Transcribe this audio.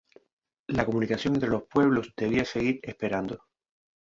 La comunicación entre los pueblos debía seguir esperando.